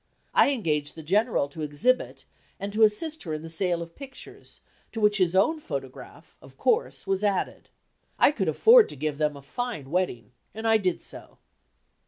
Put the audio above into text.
I engaged the General to exhibit, and to assist her in the sale of pictures, to which his own photograph, of course, was added. I could afford to give them a fine wedding, and I did so.